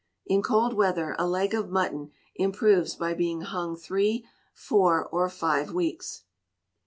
In cold weather a leg of mutton improves by being hung three, four, or five weeks.